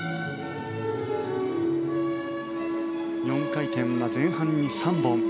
４回転は前半に３本。